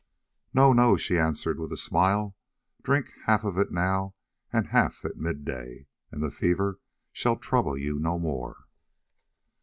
"No, no," she answered with a smile; "drink half of it now and half at midday, and the fever shall trouble you no more."